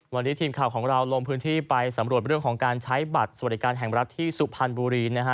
วันนี้ทีมข่าวของเราลงพื้นที่ไปสำรวจเรื่องของการใช้บัตรสวัสดิการแห่งรัฐที่สุพรรณบุรีนะฮะ